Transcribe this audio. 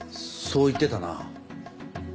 そう言ってたな。